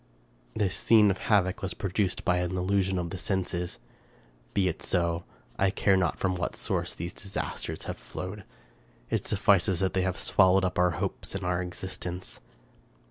This scene of havoc was produced by an illusion of the senses. Be it so ; I care not from what source these disasters have flowed; it suffices that they have swallowed up our hopes and our existence.